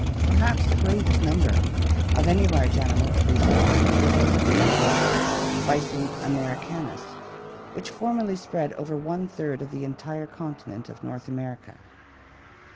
Perhaps the greatest numbers of any large animal of recent times were those of the buffalo (Bison americanus) which formerly spread over one third of the entire continent of North America.